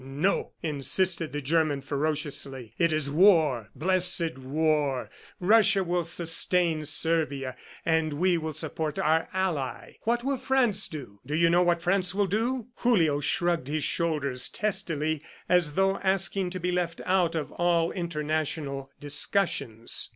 "No," insisted the German ferociously. "It is war, blessed war. Russia will sustain Servia, and we will support our ally. ... What will France do? Do you know what France will do?" ... Julio shrugged his shoulders testily as though asking to be left out of all international discussions.